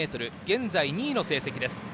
現在２位の成績です。